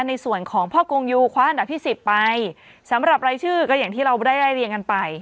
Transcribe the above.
ในส่วนของพ่อกงยูคว้าอันดับที่สิบไปสำหรับรายชื่อก็อย่างที่เราได้ไล่เรียงกันไป